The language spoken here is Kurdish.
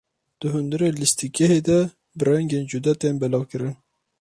Di hundirê lîstikgehê de bi rengên cuda tên belavkirin.